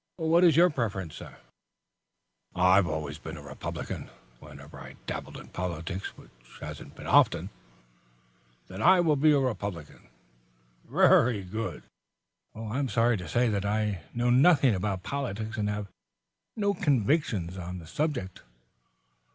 "What is your preference, sir?" "I've always been a Republican, whenever I dabbled in politics, which hasn't been often." "Then I will be a Republican." "Very good." "I am sorry to say that I know nothing about politics and have no convictions on the subject.